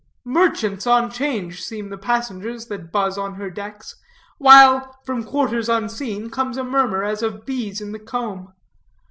Merchants on 'change seem the passengers that buzz on her decks, while, from quarters unseen, comes a murmur as of bees in the comb.